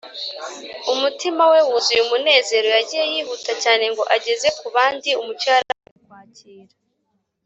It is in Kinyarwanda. Umutima we wuzuye umunezero, yagiye yihuta cyane, ngo ageze ku bandi umucyo yari amaze kwakira.